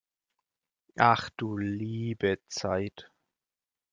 Ach du liebe Zeit!